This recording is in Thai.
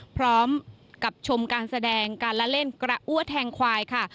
พร้อมกับชมการแสดงการละเล่นกระอ้วแทงควายค่ะ